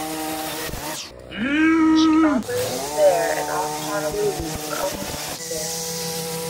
She operated there and off Honolulu for almost a year.